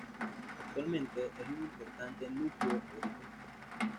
Actualmente es un importante núcleo agrícola.